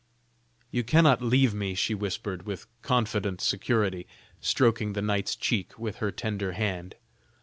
"You cannot leave me," she whispered, with confident security, stroking the knight's cheek with her tender hand.